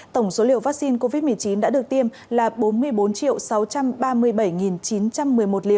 tổng số liều vaccine covid một mươi chín đã được tiêm là bốn mươi bốn sáu trăm ba mươi bảy chín trăm một mươi một liều